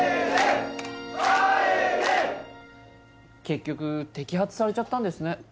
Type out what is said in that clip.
結局摘発されちゃったんですね。